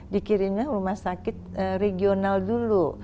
dikirimnya rumah sakit regional dulu